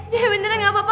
jaya beneran gak apa apa